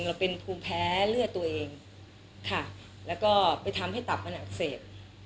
เราเป็นภูมิแพ้เลือดตัวเองค่ะแล้วก็ไปทำให้ตับมันอักเสบ